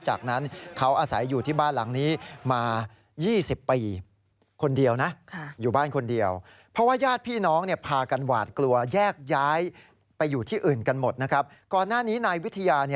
จากนั้นเขาอาศัยอยู่ที่บ้านหลังนี้มา๒๐ปี